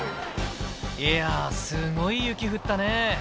いやー、すごい雪降ったね。